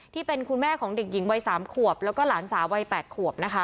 ที่เป็นคุณแม่ของเด็กหญิงวัย๓ขวบแล้วก็หลานสาววัย๘ขวบนะคะ